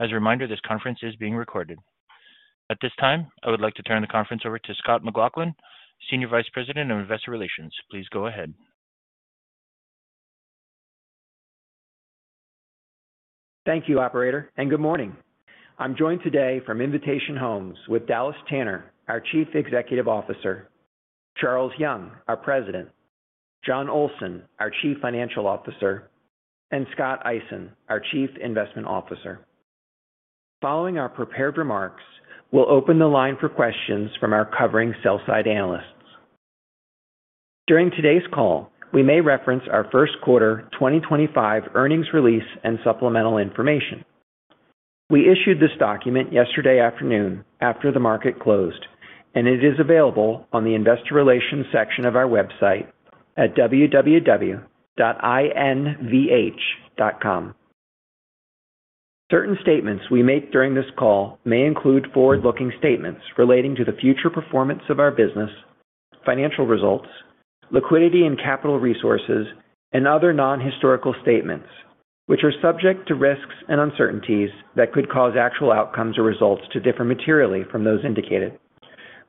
As a reminder, this conference is being recorded. At this time, I would like to turn the conference over to Scott McLaughlin, Senior Vice President of Investor Relations. Please go ahead. Thank you, Operator, and good morning. I'm joined today from Invitation Homes with Dallas Tanner, our Chief Executive Officer, Charles Young, our President, Jon Olsen, our Chief Financial Officer, and Scott Eisen, our Chief Investment Officer. Following our prepared remarks, we'll open the line for questions from our covering sell-side analysts. During today's call, we may reference our Q1 2025 Earnings Release and Supplemental Information. We issued this document yesterday afternoon after the market closed, and it is available on the Investor Relations section of our website at www.invh.com. Certain statements we make during this call may include forward-looking statements relating to the future performance of our business, financial results, liquidity and capital resources, and other non-historical statements, which are subject to risks and uncertainties that could cause actual outcomes or results to differ materially from those indicated.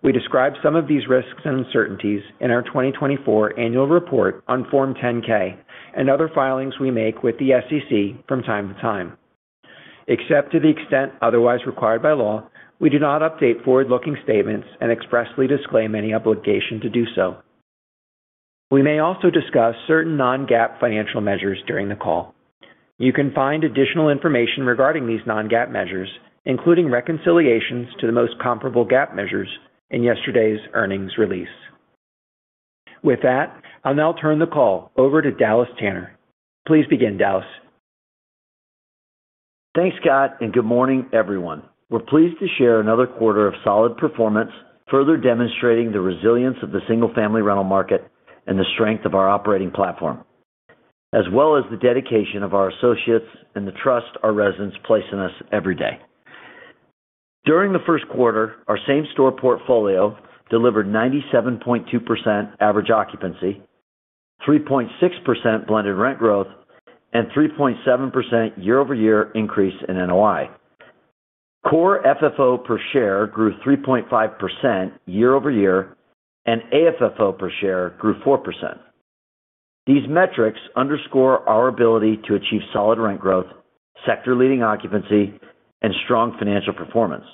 We describe some of these risks and uncertainties in our 2024 annual report on Form 10-K and other filings we make with the SEC from time to time. Except to the extent otherwise required by law, we do not update forward-looking statements and expressly disclaim any obligation to do so. We may also discuss certain non-GAAP financial measures during the call. You can find additional information regarding these non-GAAP measures, including reconciliations to the most comparable GAAP measures in yesterday's earnings release. With that, I'll now turn the call over to Dallas Tanner. Please begin, Dallas. Thanks, Scott, and good morning, everyone. We're pleased to share another quarter of solid performance, further demonstrating the resilience of the single-family rental market and the strength of our operating platform, as well as the dedication of our associates and the trust our residents place in us every day. During the Q1, our same-store portfolio delivered 97.2% average occupancy, 3.6% blended rent growth, and 3.7% year-over-year increase in NOI. Core FFO per share grew 3.5% year-over-year, and AFFO per share grew 4%. These metrics underscore our ability to achieve solid rent growth, sector-leading occupancy, and strong financial performance,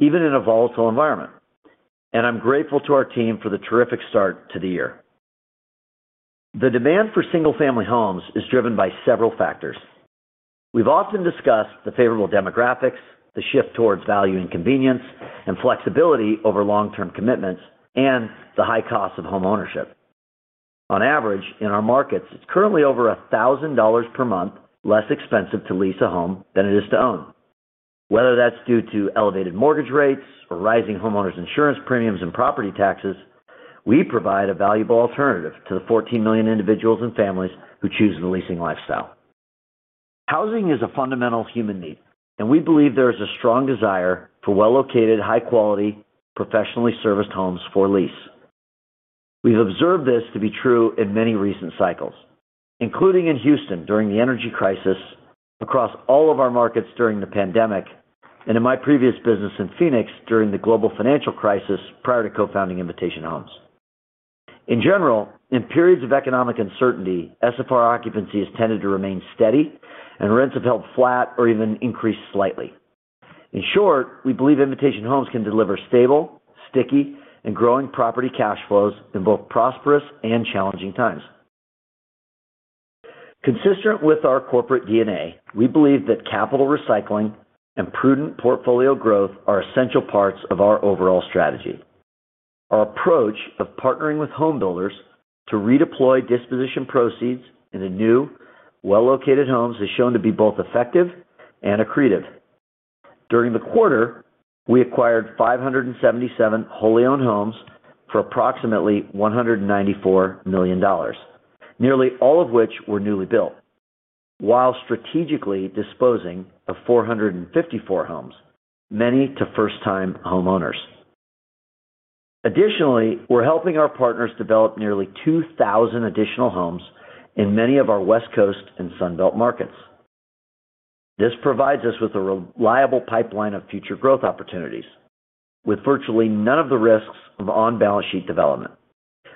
even in a volatile environment. I am grateful to our team for the terrific start to the year. The demand for single-family homes is driven by several factors. We've often discussed the favorable demographics, the shift towards value and convenience and flexibility over long-term commitments, and the high cost of homeownership. On average, in our markets, it's currently over $1,000 per month less expensive to lease a home than it is to own. Whether that's due to elevated mortgage rates or rising homeowners' insurance premiums and property taxes, we provide a valuable alternative to the 14 million individuals and families who choose the leasing lifestyle. Housing is a fundamental human need, and we believe there is a strong desire for well-located, high-quality, professionally serviced homes for lease. We've observed this to be true in many recent cycles, including in Houston during the energy crisis, across all of our markets during the pandemic, and in my previous business in Phoenix during the global financial crisis prior to co-founding Invitation Homes. In general, in periods of economic uncertainty, SFR occupancy has tended to remain steady, and rents have held flat or even increased slightly. In short, we believe Invitation Homes can deliver stable, sticky, and growing property cash flows in both prosperous and challenging times. Consistent with our corporate DNA, we believe that capital recycling and prudent portfolio growth are essential parts of our overall strategy. Our approach of partnering with homebuilders to redeploy disposition proceeds into new, well-located homes has shown to be both effective and accretive. During the quarter, we acquired 577 wholly owned homes for approximately $194 million, nearly all of which were newly built, while strategically disposing of 454 homes, many to first-time homeowners. Additionally, we're helping our partners develop nearly 2,000 additional homes in many of our West Coast and Sunbelt markets. This provides us with a reliable pipeline of future growth opportunities, with virtually none of the risks of on-balance sheet development,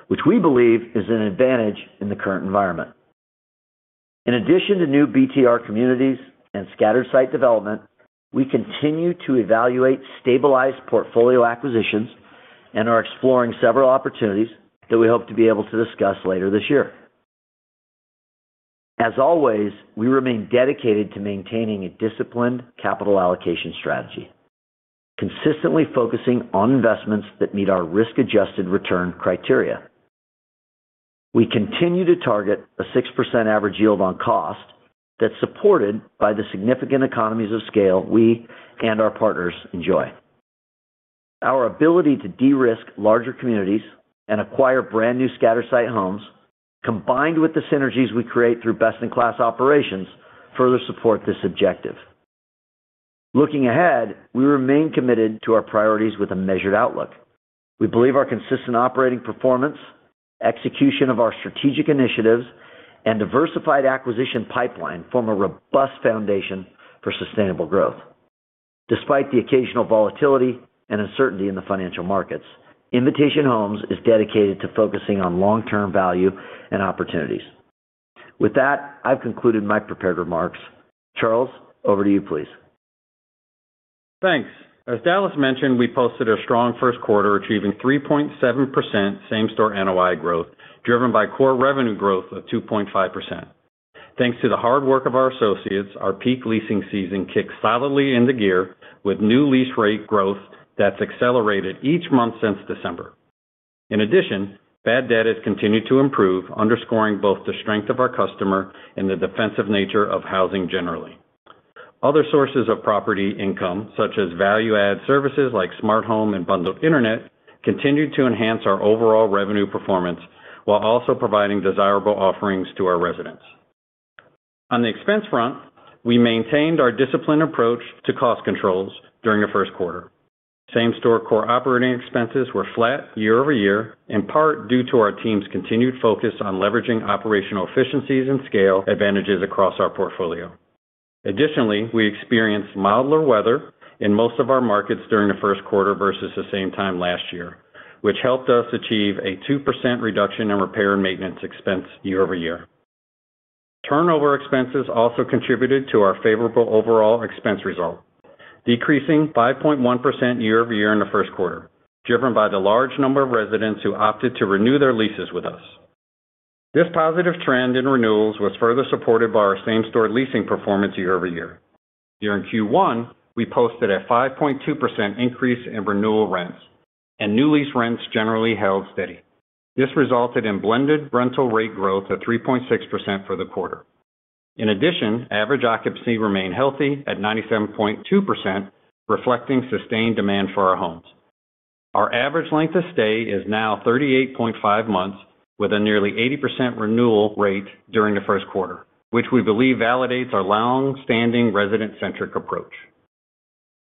which we believe is an advantage in the current environment. In addition to new BTR communities and scattered site development, we continue to evaluate stabilized portfolio acquisitions and are exploring several opportunities that we hope to be able to discuss later this year. As always, we remain dedicated to maintaining a disciplined capital allocation strategy, consistently focusing on investments that meet our risk-adjusted return criteria. We continue to target a 6% average yield on cost that's supported by the significant economies of scale we and our partners enjoy. Our ability to de-risk larger communities and acquire brand-new scattered site homes, combined with the synergies we create through best-in-class operations, further support this objective. Looking ahead, we remain committed to our priorities with a measured outlook. We believe our consistent operating performance, execution of our strategic initiatives, and diversified acquisition pipeline form a robust foundation for sustainable growth. Despite the occasional volatility and uncertainty in the financial markets, Invitation Homes is dedicated to focusing on long-term value and opportunities. With that, I've concluded my prepared remarks. Charles, over to you, please. Thanks. As Dallas mentioned, we posted a strong Q1, achieving 3.7% same-store NOI growth, driven by core revenue growth of 2.5%. Thanks to the hard work of our associates, our peak leasing season kicked solidly into gear with new lease rate growth that's accelerated each month since December. In addition, bad debt has continued to improve, underscoring both the strength of our customer and the defensive nature of housing generally. Other sources of property income, such as value-add services like smart home and bundled internet, continue to enhance our overall revenue performance while also providing desirable offerings to our residents. On the expense front, we maintained our disciplined approach to cost controls during the Q1. Same-store core operating expenses were flat year-over-year, in part due to our team's continued focus on leveraging operational efficiencies and scale advantages across our portfolio. Additionally, we experienced milder weather in most of our markets during the Q1 versus the same time last year, which helped us achieve a 2% reduction in repair and maintenance expense year-over-year. Turnover expenses also contributed to our favorable overall expense result, decreasing 5.1% year-over-year in the Q1, driven by the large number of residents who opted to renew their leases with us. This positive trend in renewals was further supported by our same-store leasing performance year-over-year. During Q1, we posted a 5.2% increase in renewal rents, and new lease rents generally held steady. This resulted in blended rental rate growth of 3.6% for the quarter. In addition, average occupancy remained healthy at 97.2%, reflecting sustained demand for our homes. Our average length of stay is now 38.5 months, with a nearly 80% renewal rate during the Q1, which we believe validates our long-standing resident-centric approach.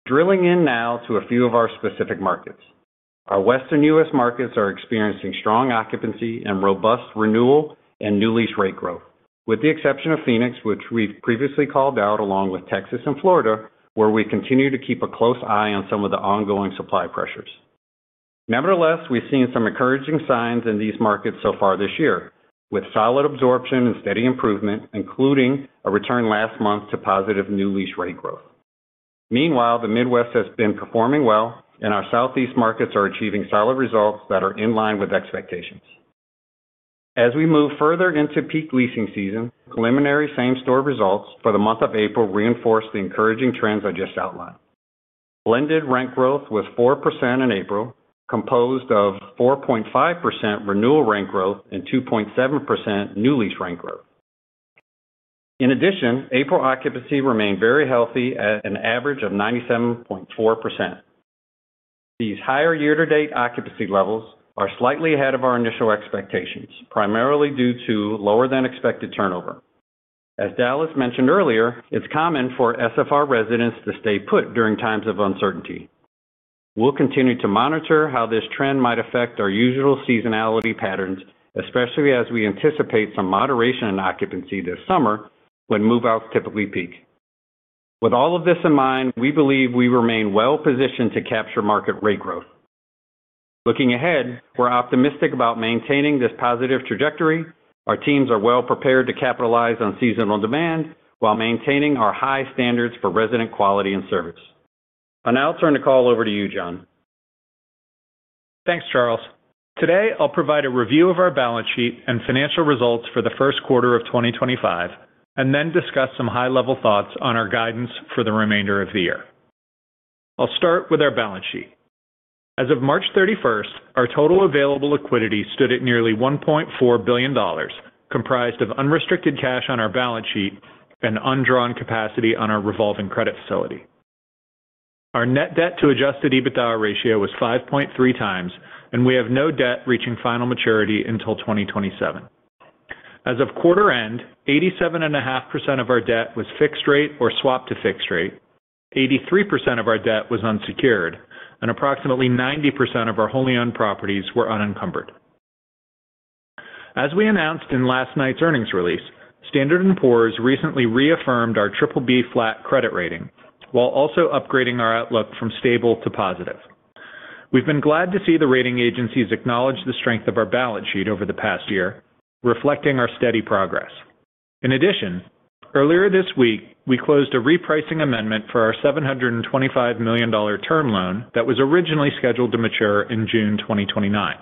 Drilling in now to a few of our specific markets, our Western U.S. markets are experiencing strong occupancy and robust renewal and new lease rate growth, with the exception of Phoenix, which we've previously called out, along with Texas and Florida, where we continue to keep a close eye on some of the ongoing supply pressures. Nevertheless, we've seen some encouraging signs in these markets so far this year, with solid absorption and steady improvement, including a return last month to positive new lease rate growth. Meanwhile, the Midwest has been performing well, and our Southeast markets are achieving solid results that are in line with expectations. As we move further into peak leasing season, preliminary same-store results for the month of April reinforced the encouraging trends I just outlined. Blended rent growth was 4% in April, composed of 4.5% renewal rent growth and 2.7% new lease rent growth. In addition, April occupancy remained very healthy at an average of 97.4%. These higher year-to-date occupancy levels are slightly ahead of our initial expectations, primarily due to lower-than-expected turnover. As Dallas mentioned earlier, it's common for SFR residents to stay put during times of uncertainty. We'll continue to monitor how this trend might affect our usual seasonality patterns, especially as we anticipate some moderation in occupancy this summer when move-outs typically peak. With all of this in mind, we believe we remain well-positioned to capture market rate growth. Looking ahead, we're optimistic about maintaining this positive trajectory. Our teams are well-prepared to capitalize on seasonal demand while maintaining our high standards for resident quality and service. I'll now turn the call over to you, Jon. Thanks, Charles. Today, I'll provide a review of our balance sheet and financial results for the Q1 of 2025, and then discuss some high-level thoughts on our guidance for the remainder of the year. I'll start with our balance sheet. As of March 31, our total available liquidity stood at nearly $1.4 billion, comprised of unrestricted cash on our balance sheet and undrawn capacity on our revolving credit facility. Our net debt-to-adjusted EBITDA ratio was 5.3 times, and we have no debt reaching final maturity until 2027. As of quarter end, 87.5% of our debt was fixed rate or swapped to fixed rate, 83% of our debt was unsecured, and approximately 90% of our wholly owned properties were unencumbered. As we announced in last night's earnings release, Standard & Poor's recently reaffirmed our BBB flat credit rating while also upgrading our outlook from stable to positive. We've been glad to see the rating agencies acknowledge the strength of our balance sheet over the past year, reflecting our steady progress. In addition, earlier this week, we closed a repricing amendment for our $725 million term loan that was originally scheduled to mature in June 2029.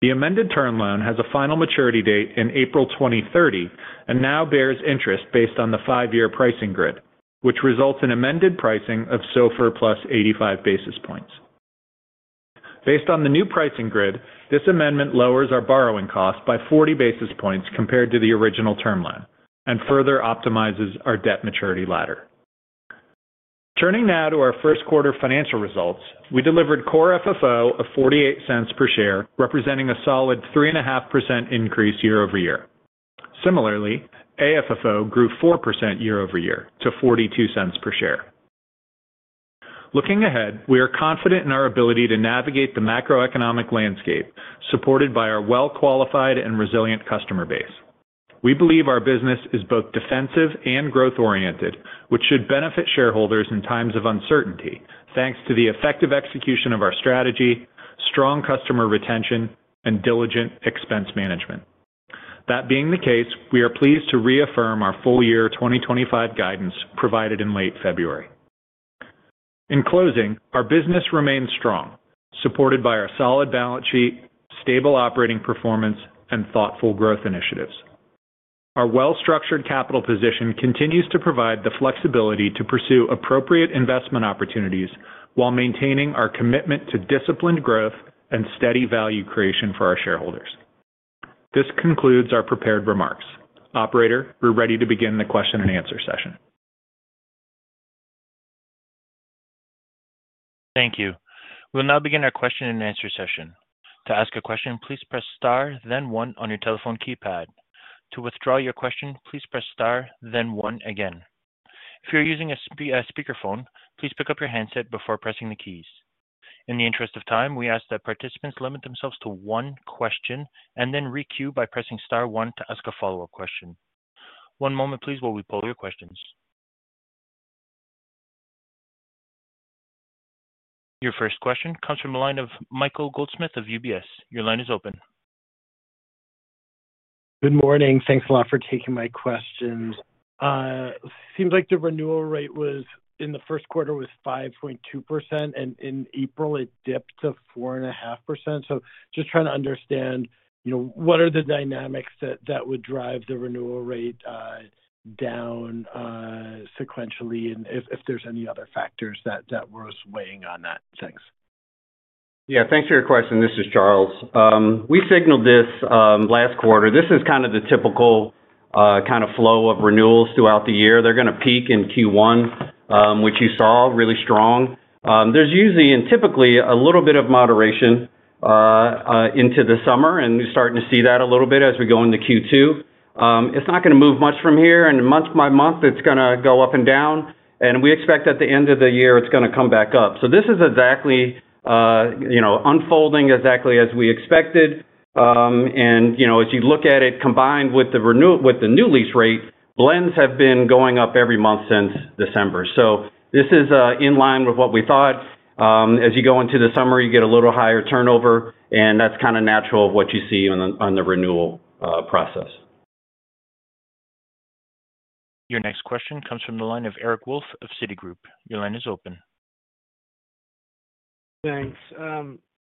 The amended term loan has a final maturity date in April 2030 and now bears interest based on the five-year pricing grid, which results in amended pricing of SOFR plus 85 basis points. Based on the new pricing grid, this amendment lowers our borrowing cost by 40 basis points compared to the original term line and further optimizes our debt maturity ladder. Turning now to our Q1 financial results, we delivered Core FFO of 48 cents per share, representing a solid 3.5% increase year-over-year. Similarly, AFFO grew 4% year-over-year to 42 cents per share. Looking ahead, we are confident in our ability to navigate the macroeconomic landscape supported by our well-qualified and resilient customer base. We believe our business is both defensive and growth-oriented, which should benefit shareholders in times of uncertainty, thanks to the effective execution of our strategy, strong customer retention, and diligent expense management. That being the case, we are pleased to reaffirm our full-year 2025 guidance provided in late February. In closing, our business remains strong, supported by our solid balance sheet, stable operating performance, and thoughtful growth initiatives. Our well-structured capital position continues to provide the flexibility to pursue appropriate investment opportunities while maintaining our commitment to disciplined growth and steady value creation for our shareholders. This concludes our prepared remarks. Operator, we're ready to begin the question and answer session. Thank you. We'll now begin our question and answer session. To ask a question, please press star, then one on your telephone keypad. To withdraw your question, please press star, then one again. If you're using a speakerphone, please pick up your handset before pressing the keys. In the interest of time, we ask that participants limit themselves to one question and then re-queue by pressing star one to ask a follow-up question. One moment, please, while we pull your questions. Your first question comes from the line of Michael Goldsmith of UBS. Your line is open. Good morning. Thanks a lot for taking my questions. Seems like the renewal rate in the Q1 was 5.2%, and in April, it dipped to 4.5%. Just trying to understand what are the dynamics that would drive the renewal rate down sequentially and if there's any other factors that were weighing on that. Thanks. Yeah. Thanks for your question. This is Charles. We signaled this last quarter. This is kind of the typical kind of flow of renewals throughout the year. They're going to peak in Q1, which you saw really strong. There's usually and typically a little bit of moderation into the summer, and we're starting to see that a little bit as we go into Q2. It's not going to move much from here. Month by month, it's going to go up and down. We expect at the end of the year, it's going to come back up. This is exactly unfolding exactly as we expected. As you look at it combined with the new lease rate, blends have been going up every month since December. This is in line with what we thought. As you go into the summer, you get a little higher turnover, and that's kind of natural of what you see on the renewal process. Your next question comes from the line of Eric Wolfe of Citigroup. Your line is open. Thanks.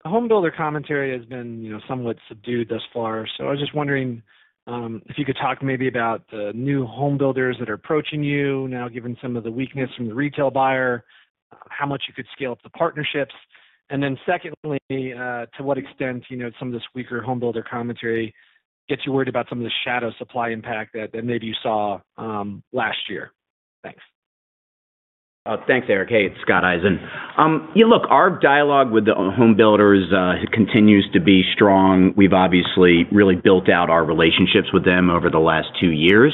Home builder commentary has been somewhat subdued thus far. I was just wondering if you could talk maybe about the new home builders that are approaching you now, given some of the weakness from the retail buyer, how much you could scale up the partnerships. Secondly, to what extent some of this weaker home builder commentary gets you worried about some of the shadow supply impact that maybe you saw last year. Thanks. Thanks, Eric. Hey, it's Scott Eisen. Yeah, look, our dialogue with the home builders continues to be strong. We've obviously really built out our relationships with them over the last two years.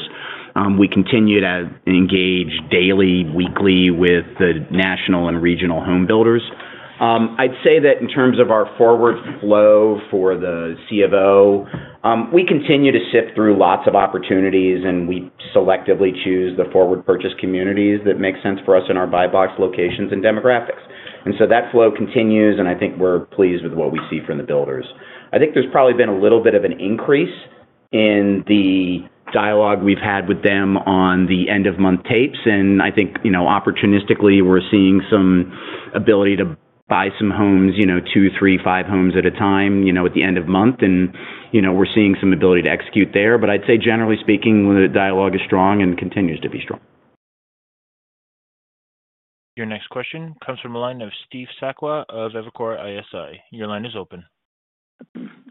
We continue to engage daily, weekly with the national and regional home builders. I'd say that in terms of our forward flow for the C of O, we continue to sift through lots of opportunities, and we selectively choose the forward purchase communities that make sense for us in our buy box locations and demographics. That flow continues, and I think we're pleased with what we see from the builders. I think there's probably been a little bit of an increase in the dialogue we've had with them on the end-of-month tapes. I think opportunistically, we're seeing some ability to buy some homes, two, three, five homes at a time at the end of month. We're seeing some ability to execute there. I'd say, generally speaking, the dialogue is strong and continues to be strong. Your next question comes from the line of Steve Sakwa of Evercore ISI. Your line is open.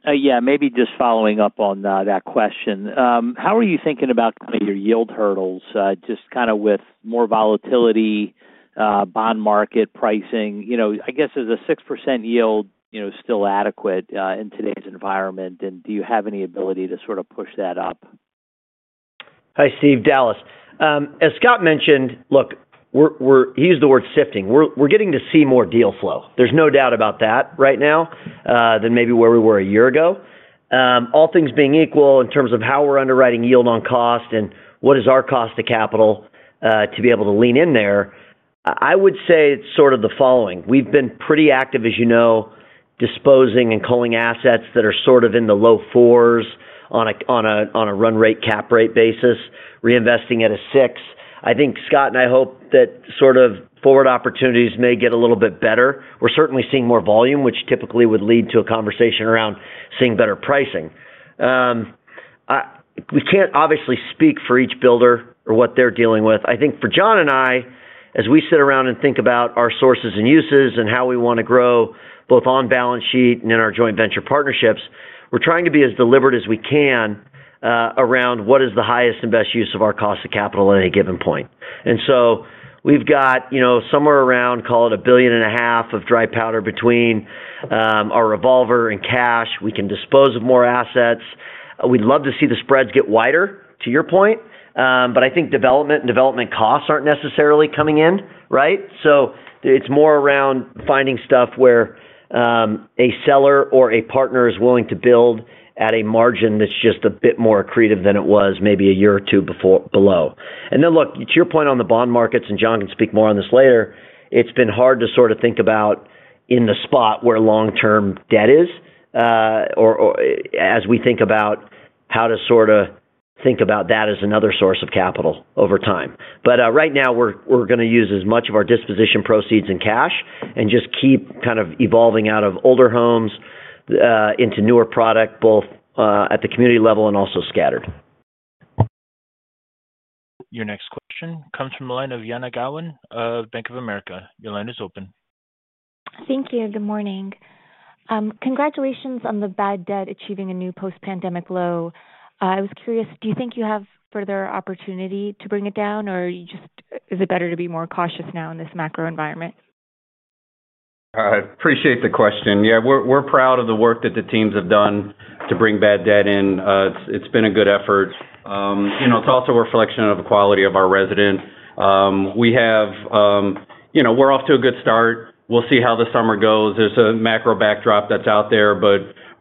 Yeah. Maybe just following up on that question. How are you thinking about your yield hurdles, just kind of with more volatility, bond market pricing? I guess is a 6% yield still adequate in today's environment, and do you have any ability to sort of push that up? Hi, Steve. Dallas. As Scott mentioned, look, we're—he used the word sifting. We're getting to see more deal flow. There's no doubt about that right now than maybe where we were a year ago. All things being equal, in terms of how we're underwriting yield on cost and what is our cost to capital to be able to lean in there, I would say it's sort of the following. We've been pretty active, as you know, disposing and culling assets that are sort of in the low fours on a run rate, cap rate basis, reinvesting at a six. I think Scott and I hope that sort of forward opportunities may get a little bit better. We're certainly seeing more volume, which typically would lead to a conversation around seeing better pricing. We can't obviously speak for each builder or what they're dealing with. I think for Jon and I, as we sit around and think about our sources and uses and how we want to grow both on balance sheet and in our joint venture partnerships, we're trying to be as deliberate as we can around what is the highest and best use of our cost to capital at any given point. We've got somewhere around, call it a billion and a half of dry powder between our revolver and cash. We can dispose of more assets. We'd love to see the spreads get wider, to your point. I think development and development costs aren't necessarily coming in, right? It's more around finding stuff where a seller or a partner is willing to build at a margin that's just a bit more accretive than it was maybe a year or two below. Look, to your point on the bond markets, and Jon can speak more on this later, it's been hard to sort of think about in the spot where long-term debt is, or as we think about how to sort of think about that as another source of capital over time. Right now, we're going to use as much of our disposition proceeds in cash and just keep kind of evolving out of older homes into newer product, both at the community level and also scattered. Your next question comes from the line of Jana Galan of Bank of America. Your line is open. Thank you. Good morning. Congratulations on the bad debt achieving a new post-pandemic low. I was curious, do you think you have further opportunity to bring it down, or is it better to be more cautious now in this macro environment? I appreciate the question. Yeah, we're proud of the work that the teams have done to bring bad debt in. It's been a good effort. It's also a reflection of the quality of our resident. We're off to a good start. We'll see how the summer goes. There's a macro backdrop that's out there.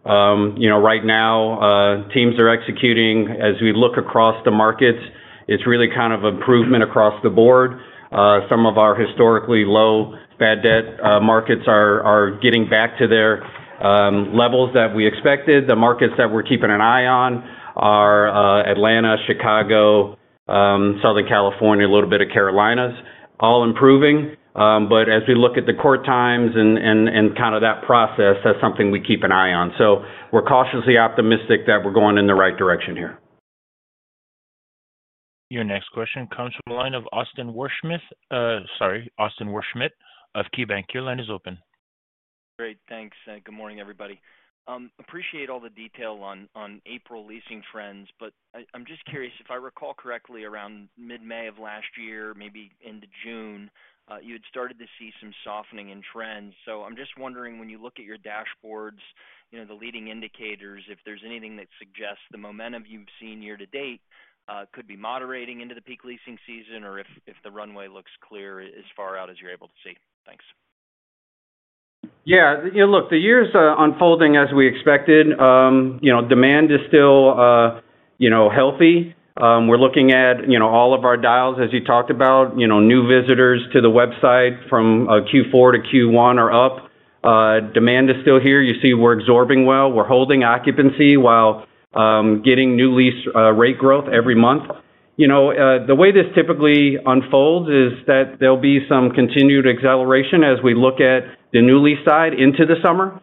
Right now, teams are executing. As we look across the markets, it's really kind of improvement across the board. Some of our historically low bad debt markets are getting back to their levels that we expected. The markets that we're keeping an eye on are Atlanta, Chicago, Southern California, a little bit of Carolinas, all improving. As we look at the court times and kind of that process, that's something we keep an eye on. We're cautiously optimistic that we're going in the right direction here. Your next question comes from the line of Austin Wurschmidt of KeyBanc. Your line is open. Great. Thanks. Good morning, everybody. Appreciate all the detail on April leasing trends. I am just curious, if I recall correctly, around mid-May of last year, maybe into June, you had started to see some softening in trends. I am just wondering, when you look at your dashboards, the leading indicators, if there is anything that suggests the momentum you have seen year to date could be moderating into the peak leasing season or if the runway looks clear as far out as you are able to see. Thanks. Yeah. Look, the year's unfolding as we expected. Demand is still healthy. We're looking at all of our dials, as you talked about. New visitors to the website from Q4 to Q1 are up. Demand is still here. You see we're absorbing well. We're holding occupancy while getting new lease rate growth every month. The way this typically unfolds is that there'll be some continued acceleration as we look at the new lease side into the summer.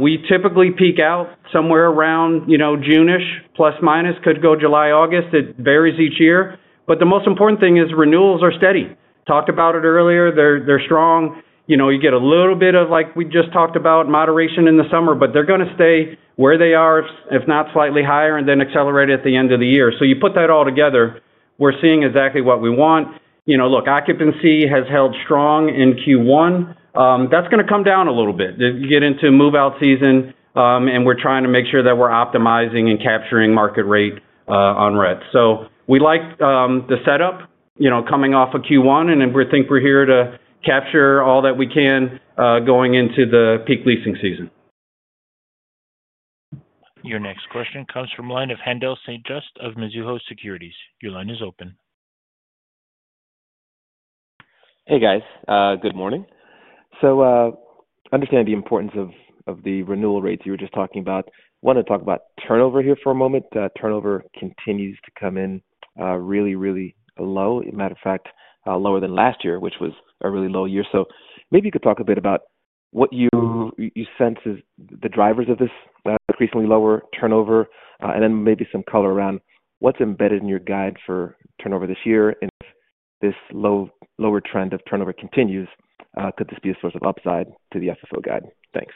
We typically peak out somewhere around June-ish, plus minus, could go July, August. It varies each year. The most important thing is renewals are steady. Talked about it earlier. They're strong. You get a little bit of, like we just talked about, moderation in the summer, but they're going to stay where they are, if not slightly higher, and then accelerate at the end of the year. You put that all together, we're seeing exactly what we want. Look, occupancy has held strong in Q1. That's going to come down a little bit. You get into move-out season, and we're trying to make sure that we're optimizing and capturing market rate on rent. We like the setup coming off of Q1, and we think we're here to capture all that we can going into the peak leasing season. Your next question comes from the line of Haendel St. Juste of Mizuho Securities. Your line is open. Hey, guys. Good morning. Understanding the importance of the renewal rates you were just talking about, I want to talk about turnover here for a moment. Turnover continues to come in really, really low. As a matter of fact, lower than last year, which was a really low year. Maybe you could talk a bit about what you sense as the drivers of this increasingly lower turnover, and then maybe some color around what's embedded in your guide for turnover this year. If this lower trend of turnover continues, could this be a source of upside to the SFR guide? Thanks.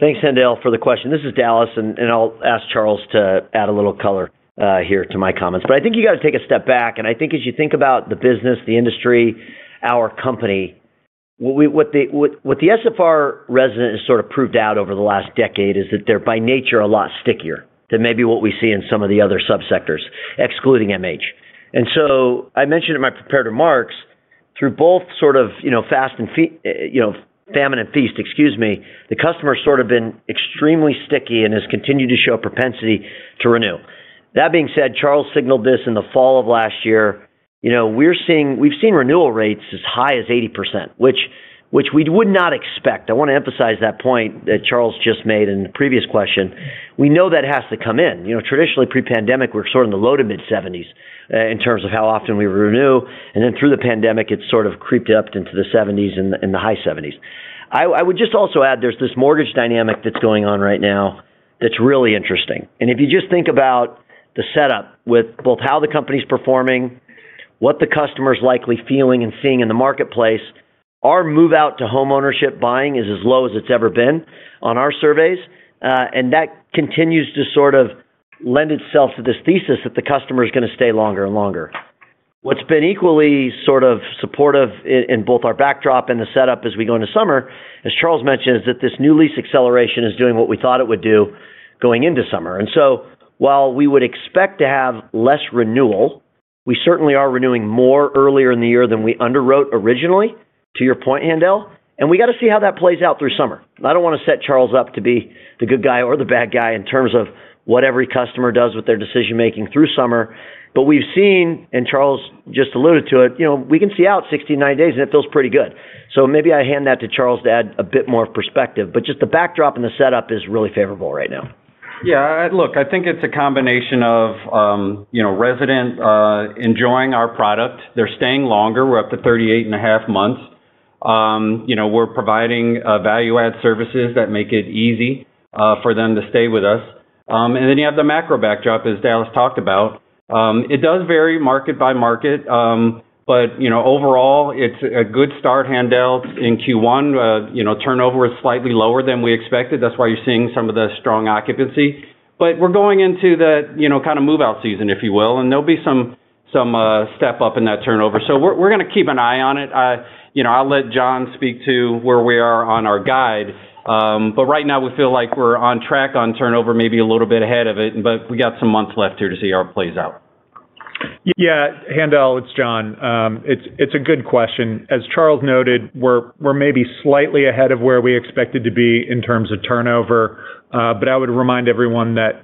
Thanks, Haendel, for the question. This is Dallas, and I'll ask Charles to add a little color here to my comments. I think you got to take a step back. I think as you think about the business, the industry, our company, what the SFR resident has sort of proved out over the last decade is that they're by nature a lot stickier than maybe what we see in some of the other subsectors, excluding MH. I mentioned in my prepared remarks, through both sort of famine and feast, excuse me, the customer has sort of been extremely sticky and has continued to show propensity to renew. That being said, Charles signaled this in the fall of last year. We've seen renewal rates as high as 80%, which we would not expect. I want to emphasize that point that Charles just made in the previous question. We know that has to come in. Traditionally, pre-pandemic, we're sort of in the low to mid-70s in terms of how often we renew. Through the pandemic, it's sort of creeped up into the 70s and the high 70s. I would just also add there's this mortgage dynamic that's going on right now that's really interesting. If you just think about the setup with both how the company's performing, what the customer's likely feeling and seeing in the marketplace, our move-out to homeownership buying is as low as it's ever been on our surveys. That continues to sort of lend itself to this thesis that the customer is going to stay longer and longer. What's been equally sort of supportive in both our backdrop and the setup as we go into summer, as Charles mentioned, is that this new lease acceleration is doing what we thought it would do going into summer. While we would expect to have less renewal, we certainly are renewing more earlier in the year than we underwrote originally, to your point, Haendel. We got to see how that plays out through summer. I do not want to set Charles up to be the good guy or the bad guy in terms of what every customer does with their decision-making through summer. We have seen, and Charles just alluded to it, we can see out 69 days, and it feels pretty good. Maybe I hand that to Charles to add a bit more perspective. Just the backdrop and the setup is really favorable right now. Yeah. Look, I think it's a combination of residents enjoying our product. They're staying longer. We're up to 38.5 months. We're providing value-add services that make it easy for them to stay with us. You have the macro backdrop, as Dallas talked about. It does vary market by market. Overall, it's a good start, Haendel. In Q1, turnover was slightly lower than we expected. That's why you're seeing some of the strong occupancy. We're going into the kind of move-out season, if you will, and there'll be some step up in that turnover. We're going to keep an eye on it. I'll let Jon speak to where we are on our guide. Right now, we feel like we're on track on turnover, maybe a little bit ahead of it. We got some months left here to see how it plays out. Yeah. Haendel, it's Jon. It's a good question. As Charles noted, we're maybe slightly ahead of where we expected to be in terms of turnover. I would remind everyone that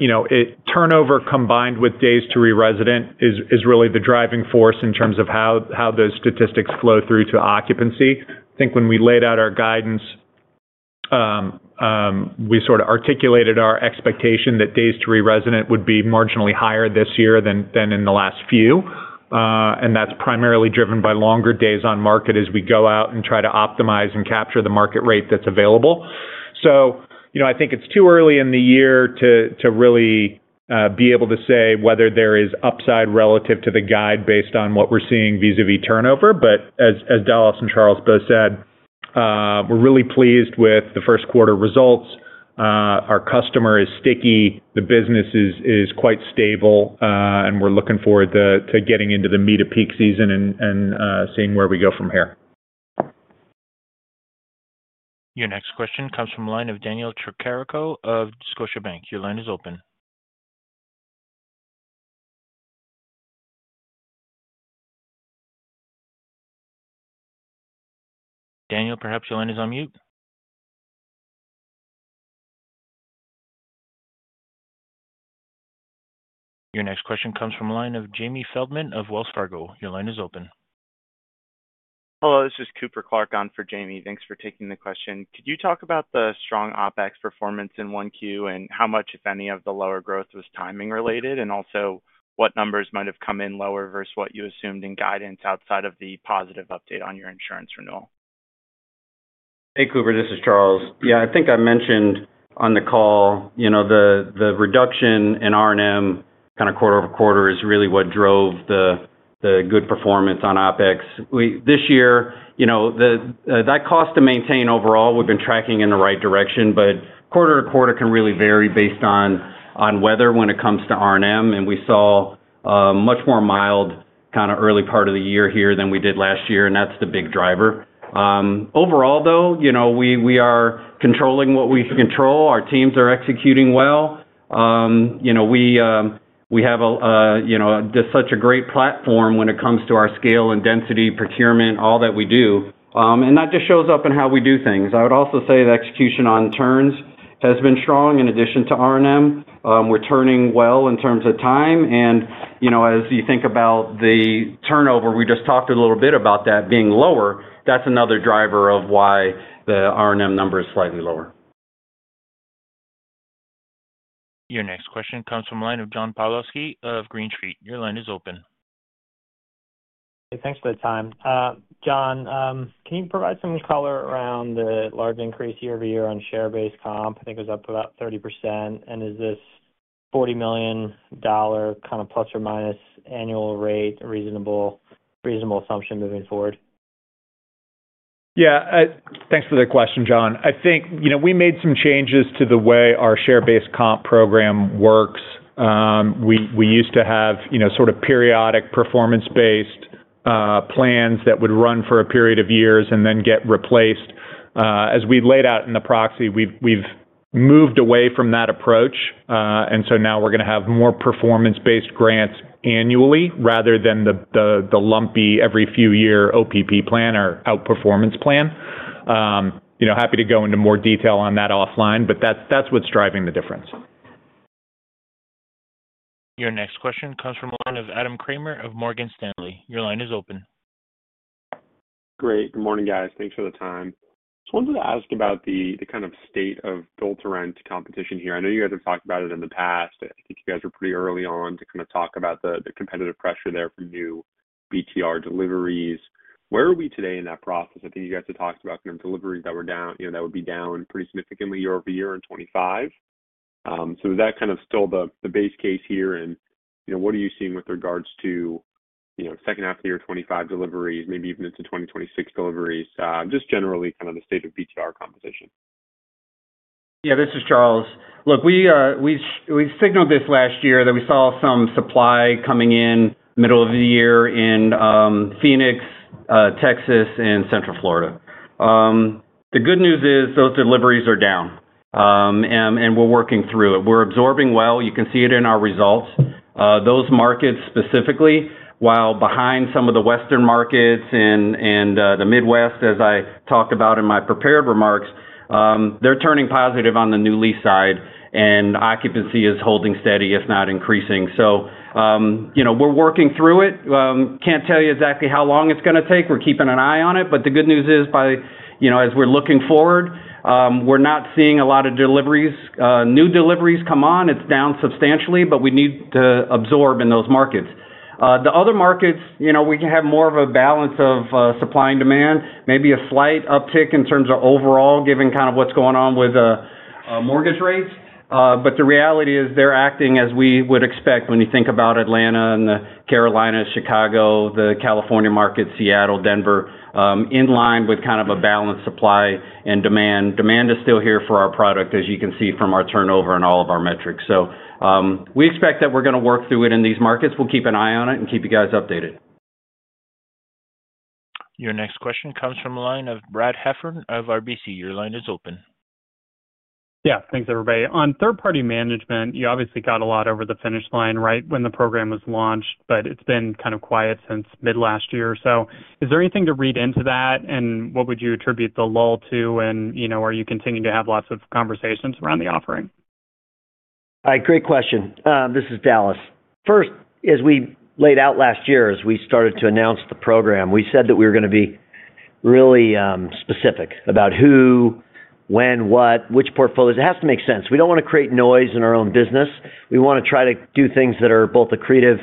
turnover combined with days to re-resident is really the driving force in terms of how those statistics flow through to occupancy. I think when we laid out our guidance, we sort of articulated our expectation that days to re-resident would be marginally higher this year than in the last few. That is primarily driven by longer days on market as we go out and try to optimize and capture the market rate that's available. I think it's too early in the year to really be able to say whether there is upside relative to the guide based on what we're seeing vis-à-vis turnover. As Dallas and Charles both said, we're really pleased with the Q1 results. Our customer is sticky. The business is quite stable. We are looking forward to getting into the meat of peak season and seeing where we go from here. Your next question comes from the line of Daniel Tricarico of Scotiabank. Your line is open. Daniel, perhaps your line is on mute. Your next question comes from the line of Jamie Feldman of Wells Fargo. Your line is open. Hello. This is Cooper Clark on for Jamie. Thanks for taking the question. Could you talk about the strong OpEx performance in 1Q and how much, if any, of the lower growth was timing related, and also what numbers might have come in lower versus what you assumed in guidance outside of the positive update on your insurance renewal? Hey, Cooper. This is Charles. Yeah, I think I mentioned on the call the reduction in R&M kind of quarter over quarter is really what drove the good performance on OpEx. This year, that cost to maintain overall, we've been tracking in the right direction. Quarter to quarter can really vary based on weather when it comes to R&M. We saw much more mild kind of early part of the year here than we did last year. That is the big driver. Overall, though, we are controlling what we control. Our teams are executing well. We have such a great platform when it comes to our scale and density, procurement, all that we do. That just shows up in how we do things. I would also say the execution on turns has been strong in addition to R&M. We're turning well in terms of time. As you think about the turnover, we just talked a little bit about that being lower. That's another driver of why the R&M number is slightly lower. Your next question comes from the line of John Pawlowski of Green Street. Your line is open. Hey, thanks for the time. Jon, can you provide some color around the large increase year-over-year on share-based comp? I think it was up about 30%. Is this $40 million kind of plus or minus annual rate a reasonable assumption moving forward? Yeah. Thanks for the question, John. I think we made some changes to the way our share-based comp program works. We used to have sort of periodic performance-based plans that would run for a period of years and then get replaced. As we laid out in the proxy, we've moved away from that approach. Now we're going to have more performance-based grants annually rather than the lumpy every few-year OPP plan or outperformance plan. Happy to go into more detail on that offline. That's what's driving the difference. Your next question comes from the line of Adam Kramer of Morgan Stanley. Your line is open. Great. Good morning, guys. Thanks for the time. I just wanted to ask about the kind of state of build-to-rent competition here. I know you guys have talked about it in the past. I think you guys were pretty early on to kind of talk about the competitive pressure there for new BTR deliveries. Where are we today in that process? I think you guys had talked about kind of deliveries that would be down pretty significantly year-over-year in 2025. Is that kind of still the base case here? What are you seeing with regards to second-half of the year 2025 deliveries, maybe even into 2026 deliveries, just generally kind of the state of BTR competition? Yeah, this is Charles. Look, we signaled this last year that we saw some supply coming in middle of the year in Phoenix, Texas, and Central Florida. The good news is those deliveries are down. We are working through it. We are absorbing well. You can see it in our results. Those markets specifically, while behind some of the Western markets and the Midwest, as I talked about in my prepared remarks, they are turning positive on the new lease side. Occupancy is holding steady, if not increasing. We are working through it. I cannot tell you exactly how long it is going to take. We are keeping an eye on it. The good news is, as we are looking forward, we are not seeing a lot of new deliveries come on. It is down substantially, but we need to absorb in those markets. The other markets, we can have more of a balance of supply and demand, maybe a slight uptick in terms of overall, given kind of what's going on with mortgage rates. The reality is they're acting as we would expect when you think about Atlanta and the Carolinas, Chicago, the California market, Seattle, Denver, in line with kind of a balanced supply and demand. Demand is still here for our product, as you can see from our turnover and all of our metrics. We expect that we're going to work through it in these markets. We'll keep an eye on it and keep you guys updated. Your next question comes from the line of Brad Heffern of RBC. Your line is open. Yeah. Thanks, everybody. On third-party management, you obviously got a lot over the finish line right when the program was launched, but it's been kind of quiet since mid-last year. Is there anything to read into that? What would you attribute the lull to? Are you continuing to have lots of conversations around the offering? Great question. This is Dallas. First, as we laid out last year, as we started to announce the program, we said that we were going to be really specific about who, when, what, which portfolios. It has to make sense. We do not want to create noise in our own business. We want to try to do things that are both accretive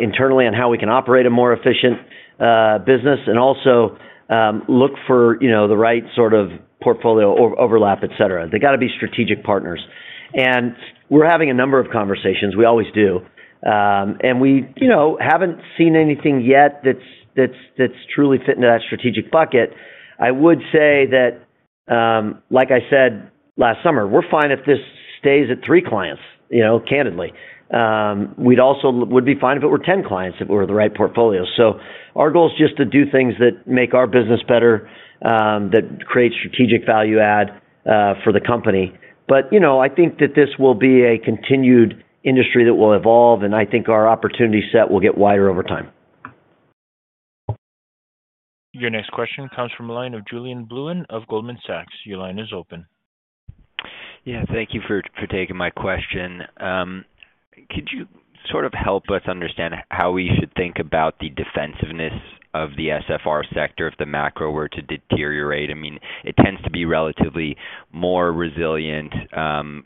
internally on how we can operate a more efficient business and also look for the right sort of portfolio overlap, etc. They have to be strategic partners. We are having a number of conversations. We always do. We have not seen anything yet that is truly fitting to that strategic bucket. I would say that, like I said last summer, we are fine if this stays at three clients, candidly. We would also be fine if it were 10 clients if it were the right portfolio. Our goal is just to do things that make our business better, that create strategic value-add for the company. I think that this will be a continued industry that will evolve. I think our opportunity set will get wider over time. Your next question comes from the line of Julien Blouin of Goldman Sachs. Your line is open. Yeah. Thank you for taking my question. Could you sort of help us understand how we should think about the defensiveness of the SFR sector if the macro were to deteriorate? I mean, it tends to be relatively more resilient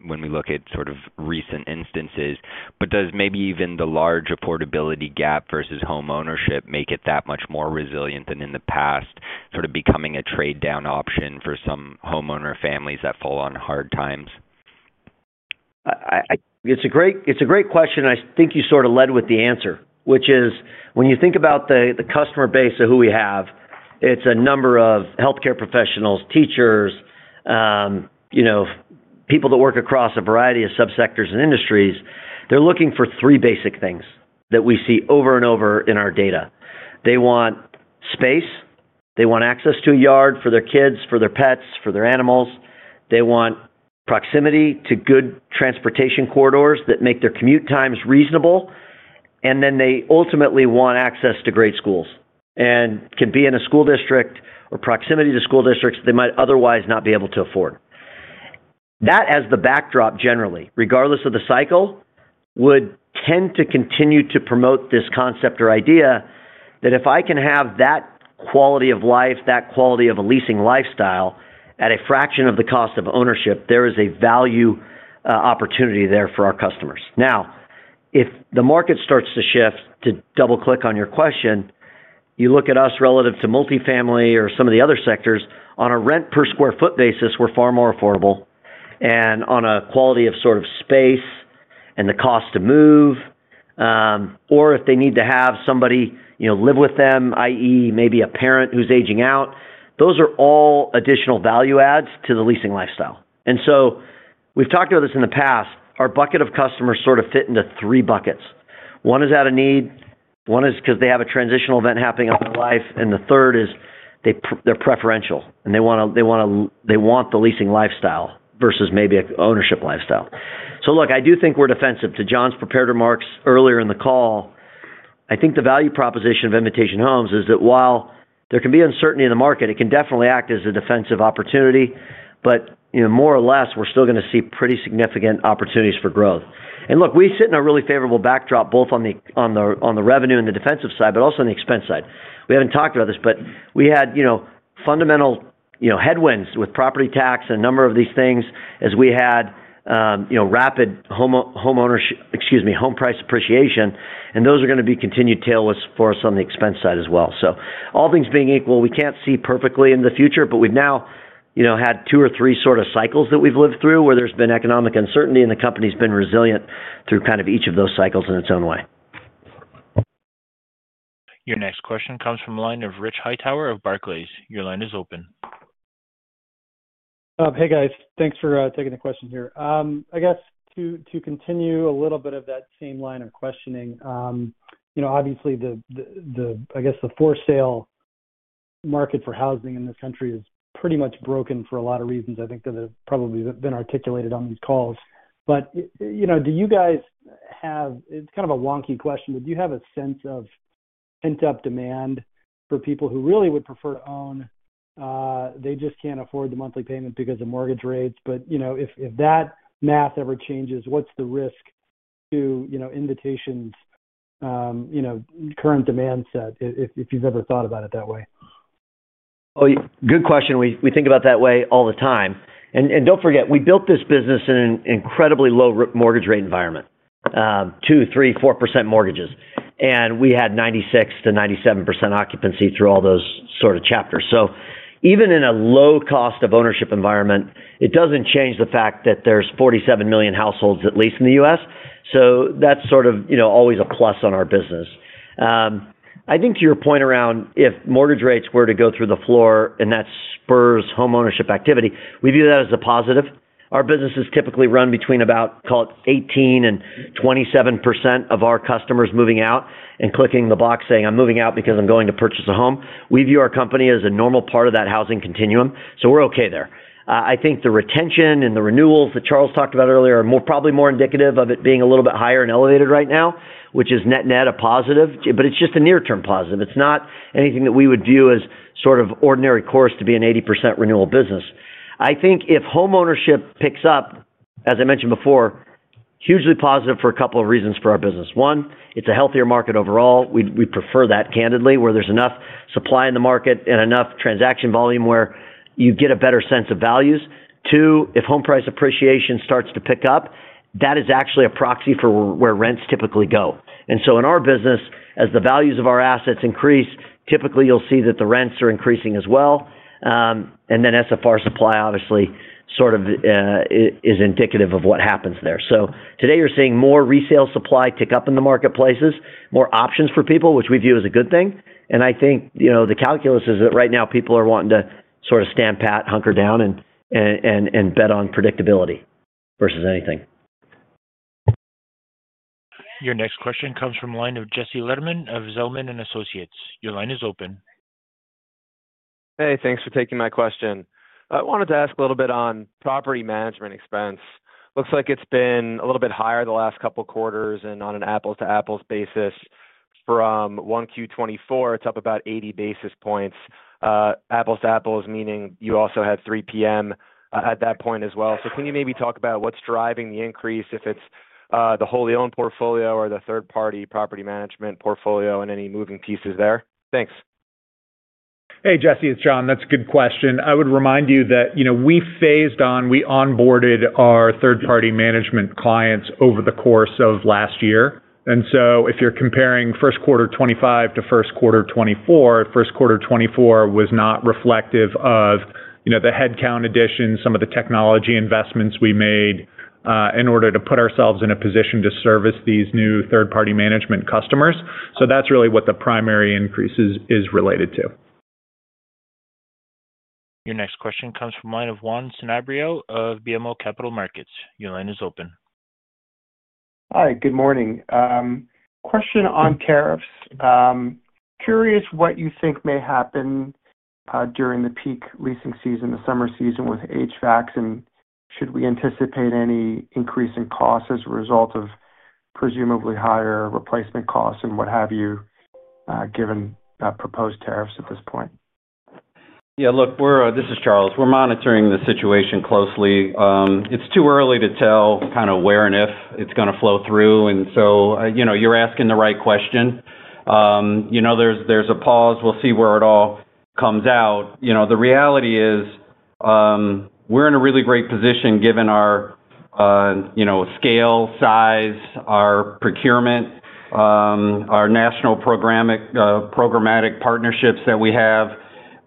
when we look at sort of recent instances. Does maybe even the large affordability gap versus homeownership make it that much more resilient than in the past, sort of becoming a trade-down option for some homeowner families that fall on hard times? It's a great question. I think you sort of led with the answer, which is when you think about the customer base of who we have, it's a number of healthcare professionals, teachers, people that work across a variety of subsectors and industries. They're looking for three basic things that we see over and over in our data. They want space. They want access to a yard for their kids, for their pets, for their animals. They want proximity to good transportation corridors that make their commute times reasonable. They ultimately want access to grade schools and can be in a school district or proximity to school districts they might otherwise not be able to afford. That, as the backdrop generally, regardless of the cycle, would tend to continue to promote this concept or idea that if I can have that quality of life, that quality of a leasing lifestyle at a fraction of the cost of ownership, there is a value opportunity there for our customers. Now, if the market starts to shift, to double-click on your question, you look at us relative to multifamily or some of the other sectors, on a rent per sq ft basis, we're far more affordable. On a quality of sort of space and the cost to move, or if they need to have somebody live with them, i.e., maybe a parent who's aging out, those are all additional value-adds to the leasing lifestyle. We have talked about this in the past. Our bucket of customers sort of fit into three buckets. One is out of need. One is because they have a transitional event happening in their life. The third is they're preferential, and they want the leasing lifestyle versus maybe an ownership lifestyle. Look, I do think we're defensive. To Jon's prepared remarks earlier in the call, I think the value proposition of Invitation Homes is that while there can be uncertainty in the market, it can definitely act as a defensive opportunity. More or less, we're still going to see pretty significant opportunities for growth. Look, we sit in a really favorable backdrop both on the revenue and the defensive side, but also on the expense side. We have not talked about this, but we had fundamental headwinds with property tax and a number of these things as we had rapid home price appreciation. Those are going to be continued tailwinds for us on the expense side as well. All things being equal, we can't see perfectly in the future. We have now had two or three sort of cycles that we've lived through where there's been economic uncertainty, and the company's been resilient through each of those cycles in its own way. Your next question comes from the line of Rich Hightower of Barclays. Your line is open. Hey, guys. Thanks for taking the question here. I guess to continue a little bit of that same line of questioning, obviously, I guess the for-sale market for housing in this country is pretty much broken for a lot of reasons. I think that they've probably been articulated on these calls. Do you guys have—it's kind of a wonky question—do you have a sense of pent-up demand for people who really would prefer to own? They just can't afford the monthly payment because of mortgage rates. If that math ever changes, what's the risk to Invitation's current demand set, if you've ever thought about it that way? Oh, good question. We think about it that way all the time. Don't forget, we built this business in an incredibly low mortgage rate environment, 2%, 3%, 4% mortgages. We had 96%-97% occupancy through all those sort of chapters. Even in a low cost of ownership environment, it does not change the fact that there are 47 million households, at least in the U.S. That is sort of always a plus on our business. I think to your point around if mortgage rates were to go through the floor and that spurs homeownership activity, we view that as a positive. Our business is typically run between about, call it, 18%-27% of our customers moving out and clicking the box saying, "I'm moving out because I'm going to purchase a home." We view our company as a normal part of that housing continuum. We're okay there. I think the retention and the renewals that Charles talked about earlier are probably more indicative of it being a little bit higher and elevated right now, which is net-net a positive. It is just a near-term positive. It is not anything that we would view as sort of ordinary course to be an 80% renewal business. I think if homeownership picks up, as I mentioned before, hugely positive for a couple of reasons for our business. One, it is a healthier market overall. We prefer that, candidly, where there is enough supply in the market and enough transaction volume where you get a better sense of values. Two, if home price appreciation starts to pick up, that is actually a proxy for where rents typically go. In our business, as the values of our assets increase, typically you will see that the rents are increasing as well. SFR supply, obviously, sort of is indicative of what happens there. Today you're seeing more resale supply tick up in the marketplaces, more options for people, which we view as a good thing. I think the calculus is that right now people are wanting to sort of stand pat, hunker down, and bet on predictability versus anything. Your next question comes from the line of Jesse Lederman of Zelman & Associates. Your line is open. Hey, thanks for taking my question. I wanted to ask a little bit on property management expense. Looks like it's been a little bit higher the last couple of quarters and on an apples-to-apples basis from 1Q 2024, it's up about 80 basis points. Apples-to-apples meaning you also had 3PM at that point as well. Can you maybe talk about what's driving the increase, if it's the wholly-owned portfolio or the third-party property management portfolio and any moving pieces there? Thanks. Hey, Jesse, it's Jon. That's a good question. I would remind you that we phased on, we onboarded our third-party management clients over the course of last year. If you're comparing Q1 2025 to Q1 2024, Q1 2024 was not reflective of the headcount addition, some of the technology investments we made in order to put ourselves in a position to service these new third-party management customers. That's really what the primary increase is related to. Your next question comes from the line of Juan Sanabria of BMO Capital Markets. Your line is open. Hi, good morning. Question on tariffs. Curious what you think may happen during the peak leasing season, the summer season with HVACs, and should we anticipate any increase in costs as a result of presumably higher replacement costs and what have you given proposed tariffs at this point? Yeah. Look, this is Charles. We're monitoring the situation closely. It's too early to tell kind of where and if it's going to flow through. You're asking the right question. There's a pause. We'll see where it all comes out. The reality is we're in a really great position given our scale, size, our procurement, our national programmatic partnerships that we have.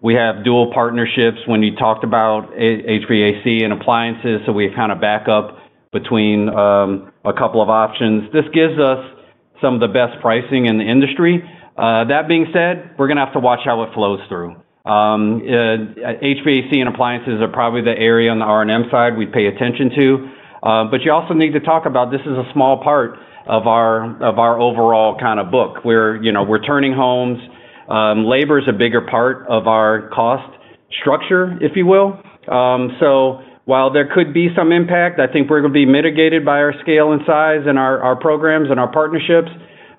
We have dual partnerships when you talked about HVAC and appliances. We have kind of backup between a couple of options. This gives us some of the best pricing in the industry. That being said, we're going to have to watch how it flows through. HVAC and appliances are probably the area on the R&M side we'd pay attention to. You also need to talk about this is a small part of our overall kind of book. We're turning homes. Labor is a bigger part of our cost structure, if you will. While there could be some impact, I think we're going to be mitigated by our scale and size and our programs and our partnerships.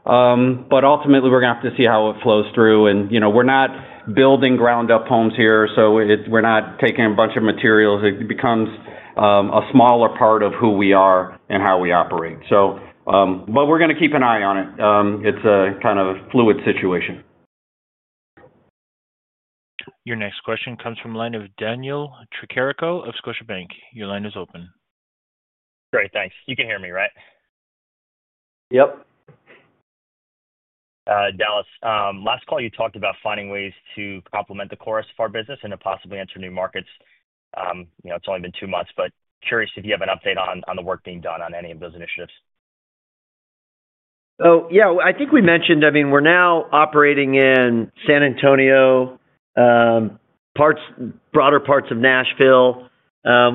Ultimately, we're going to have to see how it flows through. We're not building ground-up homes here. We're not taking a bunch of materials. It becomes a smaller part of who we are and how we operate. We're going to keep an eye on it. It's a kind of fluid situation. Your next question comes from the line of Daniel Tricarico of Scotiabank. Your line is open. Great. Thanks. You can hear me, right? Yep. Dallas, last call you talked about finding ways to complement the core SFR business and to possibly enter new markets. It's only been two months, but curious if you have an update on the work being done on any of those initiatives. Oh, yeah. I think we mentioned, I mean, we're now operating in San Antonio, broader parts of Nashville.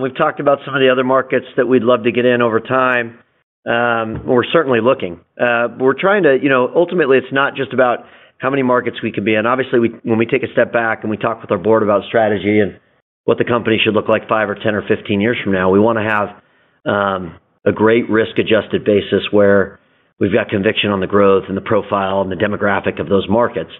We've talked about some of the other markets that we'd love to get in over time. We're certainly looking. We're trying to ultimately, it's not just about how many markets we can be in. Obviously, when we take a step back and we talk with our board about strategy and what the company should look like 5 or 10 or 15 years from now, we want to have a great risk-adjusted basis where we've got conviction on the growth and the profile and the demographic of those markets.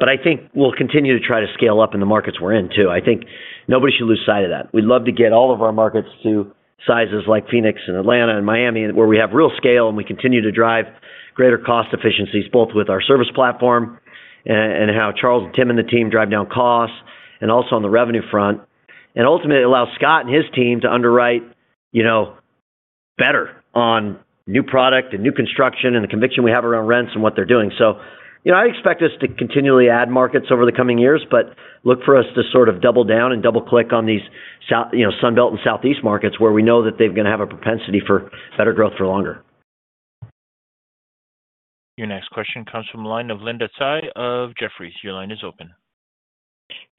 I think we'll continue to try to scale up in the markets we're in too. I think nobody should lose sight of that. We'd love to get all of our markets to sizes like Phoenix and Atlanta and Miami where we have real scale and we continue to drive greater cost efficiencies both with our service platform and how Charles and Tim and the team drive down costs and also on the revenue front. It ultimately allows Scott and his team to underwrite better on new product and new construction and the conviction we have around rents and what they're doing. I expect us to continually add markets over the coming years, but look for us to sort of double down and double-click on these Sunbelt and Southeast markets where we know that they're going to have a propensity for better growth for longer. Your next question comes from the line of Linda Tsai of Jefferies. Your line is open.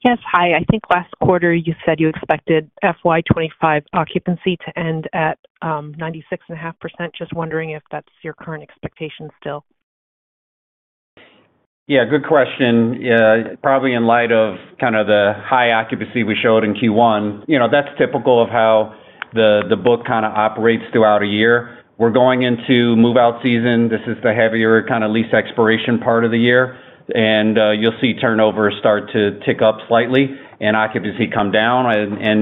Yes. Hi. I think last quarter you said you expected FY25 occupancy to end at 96.5%. Just wondering if that's your current expectation still. Yeah. Good question. Probably in light of kind of the high occupancy we showed in Q1. That is typical of how the book kind of operates throughout a year. We are going into move-out season. This is the heavier kind of lease expiration part of the year. You will see turnover start to tick up slightly and occupancy come down.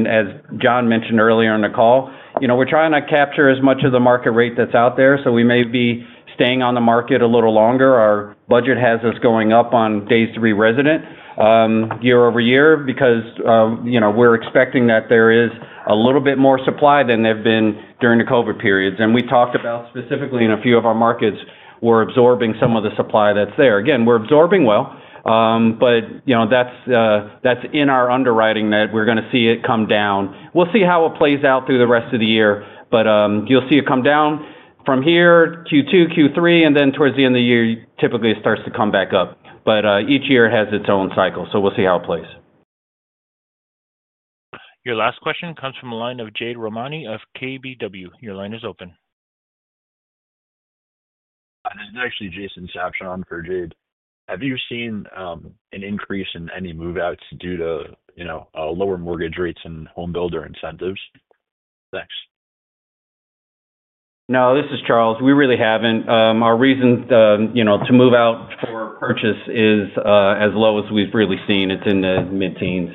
As Jon mentioned earlier in the call, we are trying to capture as much of the market rate that is out there. We may be staying on the market a little longer. Our budget has us going up on days to re-resident year-over-year because we are expecting that there is a little bit more supply than there has been during the COVID periods. We talked about specifically in a few of our markets, we are absorbing some of the supply that is there. Again, we're absorbing well, but that's in our underwriting that we're going to see it come down. We'll see how it plays out through the rest of the year. You'll see it come down from here, Q2, Q3, and then towards the end of the year, typically it starts to come back up. Each year has its own cycle. We'll see how it plays. Your last question comes from the line of Jade Rahmani of KBW. Your line is open. This is actually Jason Sabshon for Jade. Have you seen an increase in any move-outs due to lower mortgage rates and home builder incentives? Thanks. No, this is Charles. We really haven't. Our reason to move out for purchase is as low as we've really seen. It's in the mid-teens.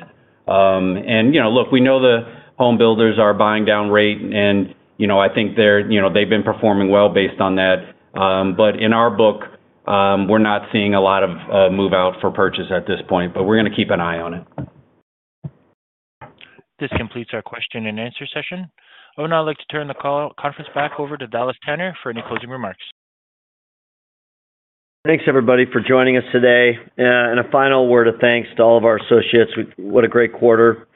Look, we know the home builders are buying down rate. I think they've been performing well based on that. In our book, we're not seeing a lot of move-out for purchase at this point. We're going to keep an eye on it. This completes our question and answer session. And now, I'd like to turn the conference back over to Dallas Tanner for any closing remarks. Thanks, everybody, for joining us today. A final word of thanks to all of our associates. What a great quarter.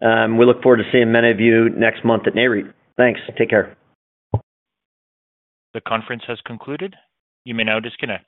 We look forward to seeing many of you next month at Nareit. Thanks. Take care. The conference has concluded. You may now disconnect.